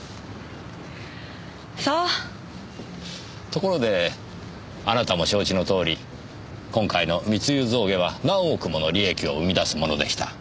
ところであなたも承知のとおり今回の密輸象牙は何億もの利益を生み出すものでした。